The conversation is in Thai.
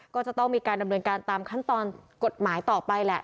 ก็จะต้องมีการดำเนินการตามขั้นตอนกฎหมายต่อไปแหละ